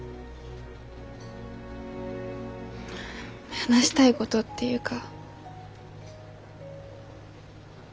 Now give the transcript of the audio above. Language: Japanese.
話したいごどっていうか。